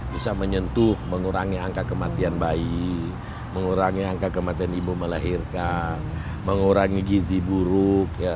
bisa menyentuh mengurangi angka kematian bayi mengurangi angka kematian ibu melahirkan mengurangi gizi buruk